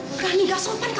karena kalau nona menangis